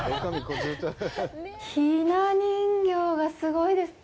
ひな人形がすごいですね。